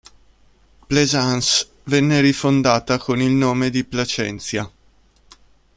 Plaisance venne rifondata con il nome di "Placentia".